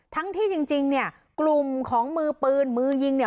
ทั้งที่จริงเนี่ยกลุ่มของมือปืนมือยิงเนี่ย